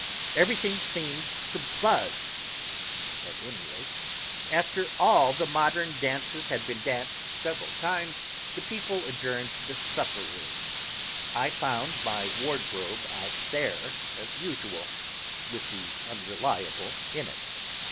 Everything seemed to buzz, at any rate. After all the modern dances had been danced several times, the people adjourned to the supper room. I found my wardrobe out there, as usual, with the Unreliable in it.